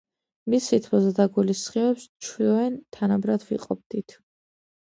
მის სითბოსა და გულის სხივებს ჩვენ თანაბრად ვიყოფდით.